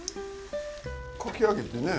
かき揚げってねえ